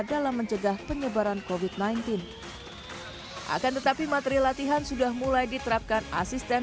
dalam mencegah penyebaran covid sembilan belas akan tetapi materi latihan sudah mulai diterapkan asisten